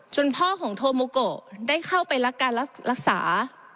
พ่อของโทโมโกได้เข้าไปรับการรักษา